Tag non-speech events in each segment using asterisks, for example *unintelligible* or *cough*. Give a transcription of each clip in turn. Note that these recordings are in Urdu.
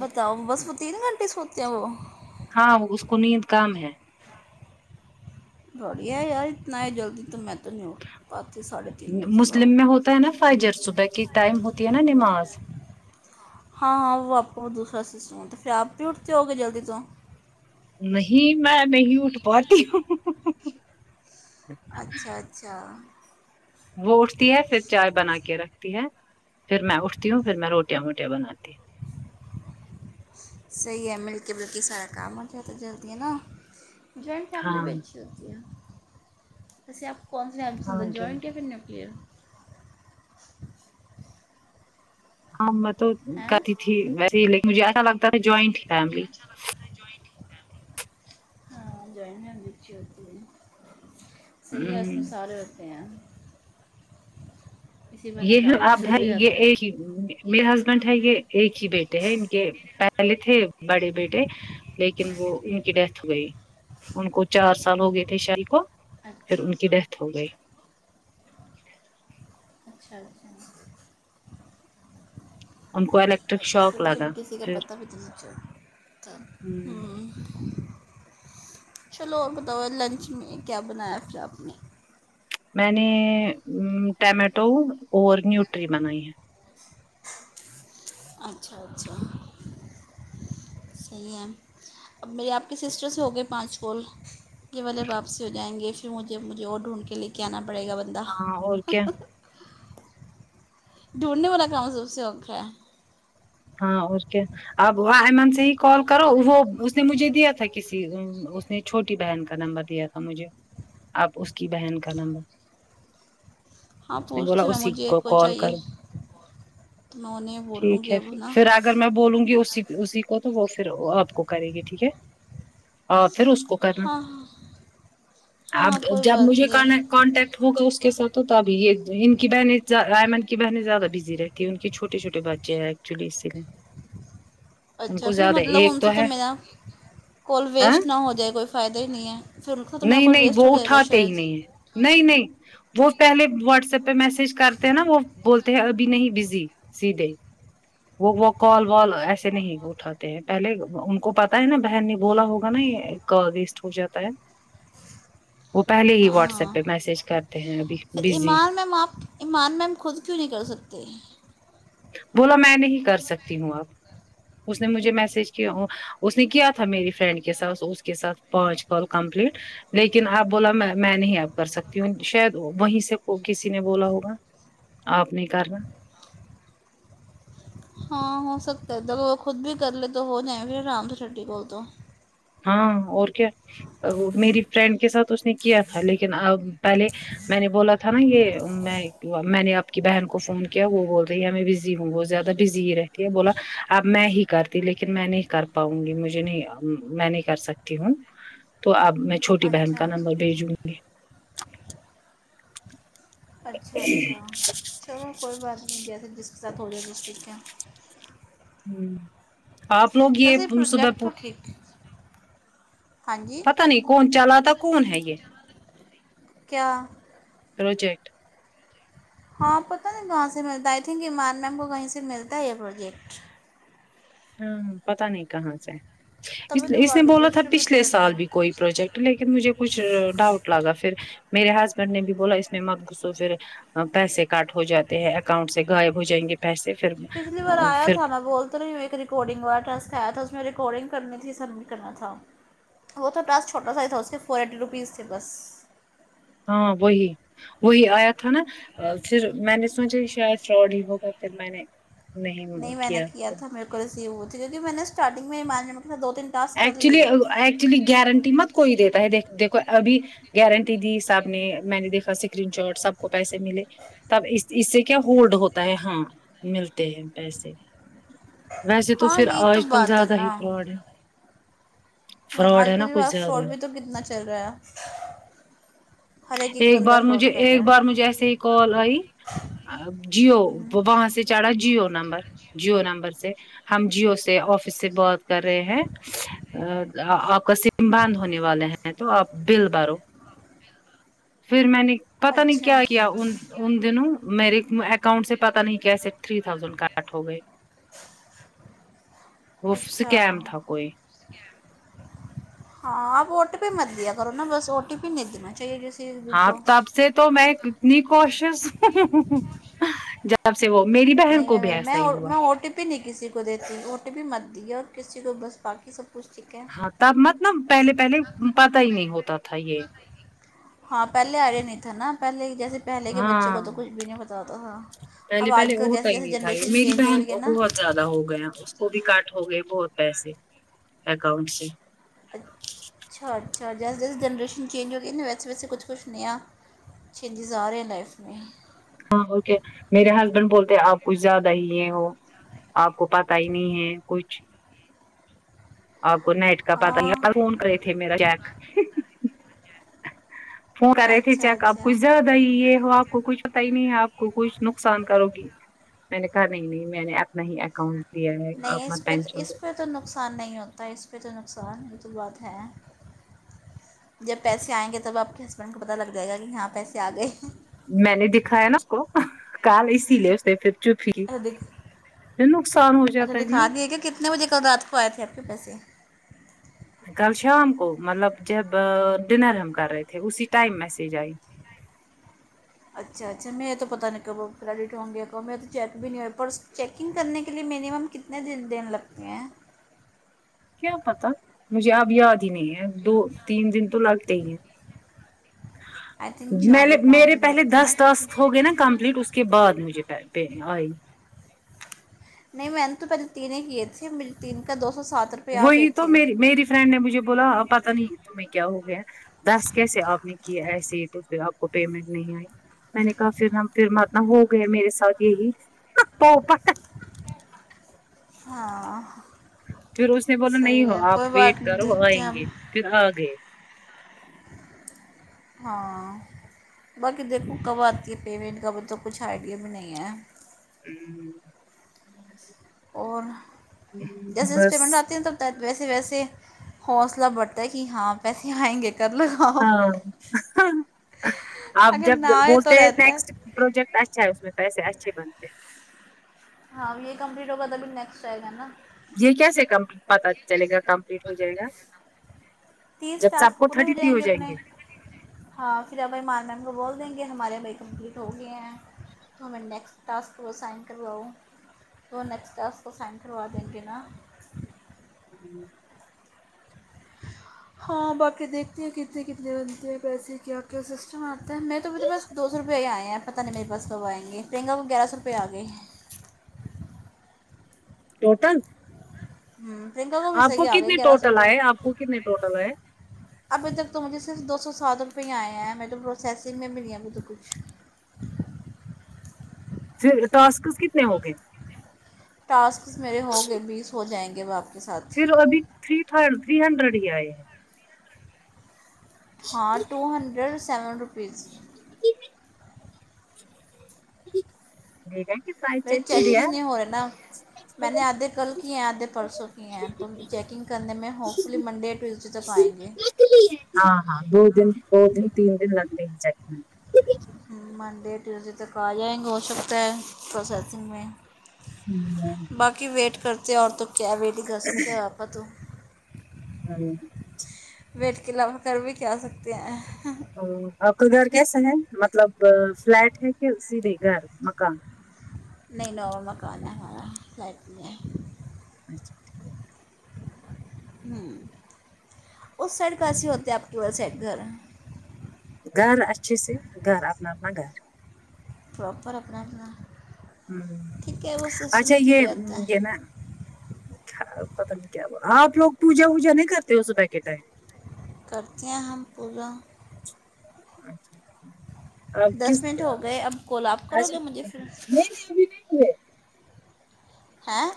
بتاؤ بس وہ تین گنٹے سوتے ہے وہ ہاں وہ اس کو نیند کم ہے بڑھیا یار اتنا ہے جلدی تو میں تو نہیں ہو *unintelligible* مسلم میں ہوتا ہے نا فجر صبح کی ٹائم ہوتی ہے نا نماز ہاں ہاں وہ آپ کو وہ دوسرا سسٹم تھا پھر آپ بھی اٹھتے ہو گے جلدی تو نہیں میں نہیں اٹھ پاتی ہوں اچھا اچھا وہ اٹھتی ہے پھر چائے بنا کے رکھتی ہے پھر میں اٹھتی ہوں پھر میں روٹیاں ووٹیاں بناتی ہوں صحیح ہے مل کے بھی مل کے سارا کام ہو جاتا جلدی ہے نا جوائنٹ فیملی ہاں بھی اچھی ہے وسے آپ کو کون سا فیملی پسند ہے ہاں جو جوجوائن یا پھر نیوکلیر ہاں میں تو ہیں کرتی تھی ویسے ہی لیکن مجھے ایسا لگتا تھا جوائنٹ ہی فیملی ہاں جوائن فیملی اچھی ہوتی ہے صحیح ہے اس میں ہمم سارے ہوتے ہیں اسی *unintelligible* بہانے کام جلدی ہو جاتا ہے میرے ہسبینڈ ہے یہ ایک ہی بیٹے ہے ان کے پہلے تھے بڑے بیٹے لیکن وہ ان کی ڈیتھ ہو گئی ان کو چار سال ہو گئے تھے شادی کو پھر اچھا ان کی ڈیتھ ہو گئی اچھا لگتا ان کو الیکٹرک ہے شاک اچ لگا کسی کا پھر پتا بھی تو نہیں چلتا چلو اور بتاؤ لنچ میں کیا بنایا پھر آپ نے میں نے ٹمیٹو اور نیوٹری بنائی ہے اچھا اچھا صحیح ہے اب میرے آپ کے سسٹر سےہو گئے پانچ کال یہ والے واپسی ہو جائیں گے پھر مجھے مجھے اور ڈھونڈ لے کے آنا پڑے گا بسے ہاں اور کیا ڈھونڈھنے والا کام سب سے اکھا ہے ہاں اور کیا اب ایمن سے ہی کال کرو وہ اس نے مجھے دیا تھا کسی اس نے چھوٹی بہن کا نمبر دیا تھا مجھے آپ اس کی بہن کا نمبر ہاں نے بولا پوچھتی میں اسی مجھے ایک کو کال چاہیے کرو تو میں انہیں بولوں ٹھیک گی ہے اب پھر نا پھر اگر میں بولوں گی اس اسی کو تو وہ پھر آپ کو کرے گی ٹھیک ہے اور پھر اس کو کرنا ہاں ہاں ہاں اب ہاں کوئی جب بات مجھے نہیں کرنا کانٹیکٹ ہوگا اس کے ساتھ تو اب یہ ان کی بہنیں ایئمن کی بہنیں زیادہ بزی رہتی ہیں ان کے چھوٹے چھوٹے بچے ہیں ایکچولی اسی لیے ان اچھا کو پھر زیادہ مطلب ایک ان سے تو ہے میرا کال ہاں ویسٹ نہ ہو جائے کوئی فائدہ ہی نہیں ہے پھر ان کو تو میرا نہیں کال نہیں ویسٹ ہو وہ جائے گا اٹھاتے ہی شاید نہیں ہے نہیں نہیں وہ پہلے واٹس ایپ پہ میسج کرتے ہیں نا وہ بولتے ہیں ابھی نہیں بزی سیدھے وہ وہ کال والال ایسے نہیں اٹھاتے ہیں پہلے ان کو پتا ہے نا بہن نے بولا ہوگا نا یہ کا ویسٹ ہو جاتا ہے وہ پہلے ہی ہاں واٹس ایپ ہاں پہ میسج کرتے ہیں ابھی پھر بزی ایمان میم آپ ایمان میں ہم خود کیوں نہیں کر سکتے بولا میں نہیں کر سکتی ہوں اب اس نے مجھے میسج کیا اس نے کیا تھا میری فرینڈ کے ساتھ اس کے ساتھ پانچ کال کمپلیٹ لیکن اپ بولا میں نہیں اب کر سکتی ہوں شاید وہیں سے کسی نے بولا ہوگا آپ نہیں کرنا ہاں ہو سکتا ہے تو وہ خود بھی کر لے تو ہو جائیں پھر آام سے چھٹی کوول تو ہاں اور کیا میری فرینڈ کے ساتھ اس نے کیا تھا لیکن ا پہلے میں نے بولا تھا نا یہ میں میں نے اپ کی بہن کو فون کیا وہ بول رہی ہے میں بزی ہوں وہ زیادہ ی رہتی ہے بولا اب میں ہی کرتی لیکن میں نہیں کر پاؤں گی مجھے نہیں میں نہیں کر سکتی ہوں تو آپ میں چھوٹی بہن اچھا کا نمبر اچھا بھیجوں گی اچھا اچھا چلو کوئی بات نہیں جیسے جس کے ساتھ ہو جائے تو ٹھیک ہے ہ آپ لوگ یہ ویسے سدہ پروجیکٹ تو پ ٹھیک ہاں جی پتا نہیں کون چلا تھا کون ہے یہ کیا پروجیکٹ ہاں پتا نہیں کہاں سے ملتا ہے آئی تھنک ایمار میم کو کہیں سے ملتا ہے یہ پروجیکٹ ہاں پتا نہیں کہاں سے اس تبھی تو وہ اس نے آگے بولا تھا ڈسٹریبیوٹ پچھلے کرتے سال ہیں بھی کوئی پروجیکٹ لیکن مجھے کچھ ڈاؤٹ لگا پھر میرے ہسبینڈ نے بھی بولا اس میں مت گھسو پھر پیسے کاٹ ہو جاتے ہیں اکاؤنٹ سے غائب ہو جائیں گے پیسے پھر پچھلی بار آیا پھر تھا نا بولتے ایک ریکارڈنگ والا ٹاسک آیا تھا اس میں ریکارڈنگ کرنی تھی سبمٹ کرنا تھا وہ تو ٹاسک اس چھوٹا سا تھا اس سے فور ایٹی روپیز تھے بس ہاں وہی وہی آیا تھا نا پھر میں نے سوچے شاید فراڈ ہی ہوگا پھر میں نے نہیں کیا کل سی ہو تھی کیونکہ میں نے اسٹارٹنگ میں *unintelligible* ایمار معم ک ساتھ دو تین ٹاسک کر ایکچولی لیے ام ایکچولی گارنٹی مت کوئی دیتا ہے د دیکھو ابھی گارنٹی دی حساب نے میں نے دیکھا اسکرین شاٹ سب کو پیسے ملے تب اس اس سے کیا ہولڈ ہوتا ہے ہاں ملتے ہیں پیسے ویسے تو ہاں پھر یہی تو آج کل بات ہے زیادہ ہی نا فراڈ ہے ہوں فراڈ آج ہے نا کل کچھ بھی زیادہ فراڈ بھی ہے تو کتنا چل رہا ہے ہر ایک بندہ بار مجھے فراڈ کر ایک رہا بار مجھے ایسے ہی کال آئی جیو ہے وہ وہاں سے چڑھا جیو نمبر جیو نمبر سے ہم جیو سے آفس سے بات کر رہے ہیں ا آپ کا سم بند ہونے والے ہیں تو آپ بل بھرو پھر میں نے پتا نہیں اچھا کیا کیا ان ان دنوں میرے اکاؤنٹ سے پتا نہیں کیسے تھری تھاوزینڈ کٹ ہو گئے وہ اچھا اسکیم تھا کوئی ہاں اپ او ٹی پی مت دیا کرو نا بس او ٹی پی نہیں دینا چاہیے جس ہاں تب سے تو میں کتنی کوشش ہ جب سے وہ میری بہن نہیں کو میں بھی میرے میں ایسا ہی ہوا او ٹی میں نہیں کسی کو دیتی او ٹی پی بھی مت دی ہے اور کسی کو بس باکی سب کچھ ٹھیک ہے ہاں تب مطلب پہلے پہلے پتا ہی نہیں ہوتا تھا یہ ہاں پہلے آیا نہیں تھا نا پہلے جیسے پہلے کے بچوں ہاں کو تو کچھ بھی نہیں بتاتا تھا پہلے اب آج پہلے کل جیسے ہوتا ہی جیسے نہیں تھا یہ جنریشن میری چینج ہو بہن رہی ہے کو نا بہت زیادہ ہو گیا اس کو بھی کٹ ہو گئے بہت پیسے اکاؤنٹ سے اچ اچھا اچھا جیسے جیسے جنریشن چینج ہو گئی نہ ویسے ویسے کچھ کچھ نیا چینجیز آ رہے ہیں لائف میں ہاں اوکے میرے ہسبینڈ بولتے آپ کچھ زیادہ ہی ہے وہ آپ کو پتا ہی نہیں ہے کچھ آپ کو نیٹ کا پتا نئی ہے ہاں کل فون کرے تھے میرا چیک فون کر رہے تھے اچھا چیک آپ کچھ اچھا زیادہ یہ ہو آپ کو کچھ پتا ہی نہیں ہے آپ کو کچھ نقصان کرو گی میں نے کہا نہیں نہیں میں نے اپنا ہی اکاؤنٹ دیا ہے اپ مت ٹینشن لو ہ تو نقصان نہیں ہوتا ہے اس پہ تو نقصان یہ تو بات ہے جب پیسے آئیں گے تب آپ کے ہسبینڈ کو پتہ لگ جائے گا کہ ہاں پیسے آ گئے میں نے دکھایا نا اس کو کال اسی لے اس نے پھر چپی اچھا دکھ پھر نقصان ہو جاتا ہے نا نو بجے کل رات کو آئے تھے آپ کے پیسے کل شام کو مطلب جب ڈنر ہم کر رہے تھے اسی ٹائم میسج آئی اچ اچھا اچھا میں یہ تو پتا نہیں کب کریڈٹ ہوں گےکب یہ تو چیک بھی نہیں ہو ہے پر چیکنگ کرنے کے لیے میننیمم کتنے دن دن لگتے ہیں کیا پتا مجھے اب یاد ہی نہیں ہے دو تین دن تو لگتے ہی ہیں آئی تھنک چار یا م پانچ میرے دن پہلے لگتے ہیں نا دس ٹاسک کیونکہ ہو گئے نا کمپلیٹ اس کے بعد مجھے *unintelligible* آئی نہیں میں نے تو پہلے تین ہی کیے تھے مجھے تین کا دو سو سات رو وہی تو مری میری فرینڈ نے مجھے بولا پت نہیں تمہں کیا ہو گیا دس کیسے آپ نے کی ایسے ہی تو پھر آپ کو پیمنٹ نہیں آئی میں نے کہا پھر ہم پھر ماتنا ہو گئے میرے ساتھ یہی *unintelligible* ہاں پھر اس نے بولا نہیں صحیح ہو ہے آپ کوئی ویٹ بات نہیں کرو دیکھتے آئیں ہیں گے اب پھر آگئے ہاں باقی دیکھو کب آتی ہے پیمنٹ کابھی تو کچھ آئیڈیا بھی نہیں ہے ہوں اور جیسے جیسے بس پیمنٹ ہوتی ہیں تب تا ویسے ویسے حوصلہ بڑھتا ہے کہ ہاں پیسے آئیں گے کل ہاں آپ اگر جب نہ آئے تو بولتے ہیں رہتا ہے نیکسٹ پروجیکٹ اچھا ہے اس میں پیسے اچھے بنتے ہیں ہاں یہ کمپلیٹ ہوگا تبھی نیکسٹ آئے گا نا یہ کیسے کم پتا چلے گا کمپلیٹ ہو جائے گا تیس جب سب ٹاسک کو پورے تھرٹی تھری ہو جائیں اپنے گے ہاں پھر اب ب مار میم کو بول دیں گے ہمارے بھائی کمپلیٹ ہو گئے ہیں تمہے نیکسٹ ٹاسک کو سائن کرواؤں تو نیکسٹ ٹاسک کو سائن کروا دیں گے نا ہمم ہاں باقی دیکھتے ہیں کتنے کتنے بنتے ہیں پیسے کیا کیا سسٹم ا آتا ہے میں تو میرے پاس دو سو روپے ہی آ ہیں پہ نہیں میرے پاس کب ائیں گے کو گیرا سو روپئے اگئے ٹوٹل ہوں پرینکا بھی آپ کو صحیح آ گئے کتنے گیارہ سو ٹوٹل تو آئے آپ کو کتنے ٹوٹل آئے ابھی تک تو مجھے صرف دو سو سات روپئے آئے ہیں میں تو پروسیسنگ میں بھی ابھی تو کچھ پھر ٹاسک کتنے ہوگے ٹاسکس میرے ہو گے بیس ہو جائیں گے واپس پھر ابھی تھری تھری ہنڈریڈ ہی آئے ہیں ہاں ٹو ہنڈریڈ سیون روپیز *unintelligible* میری چیکنگ ہے نہیں ہو رہی نا میں نے آدھے کل کیے ہیں آدھے پرسوں کیے ہیں تو چیکنگ کرنے میں ہوپ فلی منڈے ٹوزڈے تک تو آئیں گے ہاں ہاں دو دن دو دن تین دن لگتے ہی چیک ہونے منڈے ٹیوزڈے تک آ جائیں گے ہو سکتا ہے پروسیسنگ میں میں باقی ویٹ کرتے ہیں اور تو کیا تو ویٹ ہی کر سکتے ہیں آپا تو *unintelligible* ویٹ کے علاوہ کر بھی کے آ سکتے ہیں ا آپ کا گھر کیسا ہے مطلب فلیٹ ہے کہیدھے گھر مکان ن نووا مکان ہے ہمارا لائٹ نہیں ہے اچھا ٹھیک ہمم اس سائڈ کاسی ہوتے آپ کے سڈ گھر گھر اس چسے گھر اپنا اپنا گھر پراپر اپنا اپنا ہوں ٹھیک ہے وہ سسٹم اچھا بھی یہ ٹھیک رہتا یہ ہے نا آپ لوگ پوجا وجا نہیں کرتے ہو صبح کے ٹیم کرتے ہیں ہم پوجا اب کس دس منٹ ہو گئے اب کال آپ کرو اچھ گے مجھے نہیں پھر نہیں ابھی نہیں ہوئے ہاں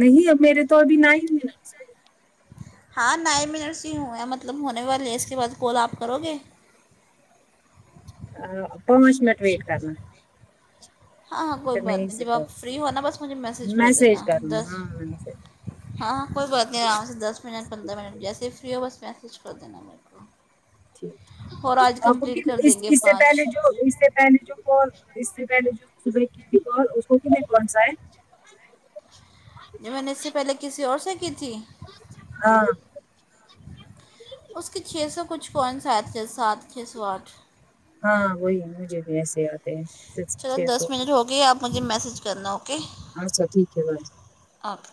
نہیں اب میرے تو ابھی نائن منٹس ہاں نئے منٹ سے ہی ہوئے مطلب ہونے والے ہے اس کے بعد کال آپ کرو گے پانچ منٹ ویٹ کرنا ہاں ہاں کوئی پھر میں بات یہیں نہیں سے جب کال آپ فری ہونا بس مجھے میسیج کر میسج دینا کرنا دس ہاں میسج ہاں ہاں کوئی بات نہیں آرام سے دس منٹ پندرہ منٹ جیسے فری ہو بس میسج کر دینا میرے کو اور آج اب کمپلیٹ کر دیں گے کسسے اس سے پہلے پانچ جو اس سے پہلے جو کال اس سے پہلے جو صبح کی تھی کال اس کو کینے کون سا ہے جی میں نے اس سے پہلے کسی اور سے کی تھی ہاں اس کی چھ سو کچھ کوئنس آے تھے ساتھ ہاں وہی ہے مجھے بھی ایسے آتے ہیں صرف چلو چھ سو دس منٹ ہو گئے آپ مجھے میسج کرنا اوکے اچھا ٹھیک ہے بائے آٹھ